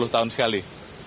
sepuluh tahun sekali